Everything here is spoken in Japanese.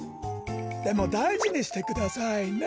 でもだいじにしてくださいね。